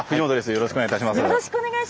よろしくお願いします。